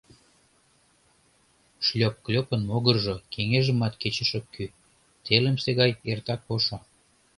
Шлёп-клёпын могыржо кеҥежымат кечеш ок кӱ, телымсе гай эртак ошо.